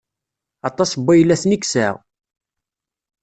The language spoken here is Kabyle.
Aṭas n waylaten i yesɛa.